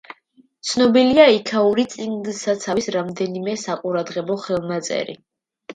ცნობილია იქაური წიგნსაცავის რამდენიმე საყურადღებო ხელნაწერი.